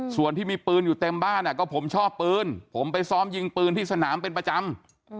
ส่วนที่มีปืนอยู่เต็มบ้านก็ผมชอบปืนผมไปซ้อมยิงปืนที่สนามเป็นประจำ